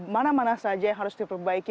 mana mana saja yang harus diperbaiki